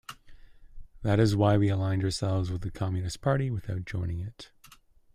That is why we aligned ourselves with the Communist Party, without joining it.